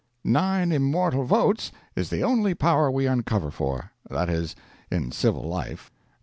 Nine immortal votes is the only power we uncover for that is, in civil life.